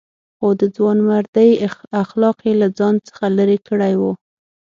خو د ځوانمردۍ اخلاق یې له ځان څخه لرې کړي وو.